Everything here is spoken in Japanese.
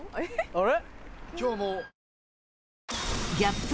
あれ？